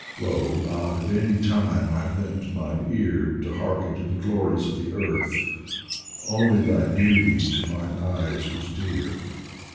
Lo, not at any time I lent mine ear To hearken to the glories of the earth ; Only thy beauty to mine eyes was dear.